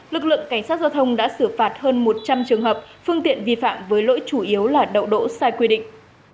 lực lượng cảnh sát giao thông đã xử phạt hơn một trăm linh trường hợp phương tiện vi phạm với lỗi chủ yếu là đậu đỗ sai quy định